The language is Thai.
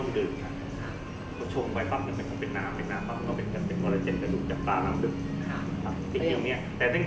ดีครับ